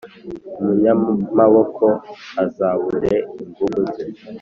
umunyamaboko azabure ingufu ze,